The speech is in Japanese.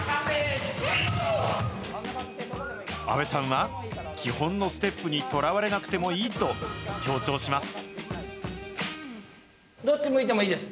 阿部さんは、基本のステップにとらわれなくてもいいと強調します。